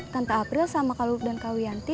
tante april sama kak luluf dan kak wianti